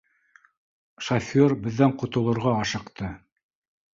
— Шофер беҙҙән ҡотолорға ашыҡты.